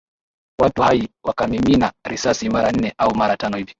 Watu hai wakamimina risasi mara nne au mara tano hivi